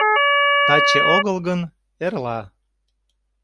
Таче огыл гын, эрла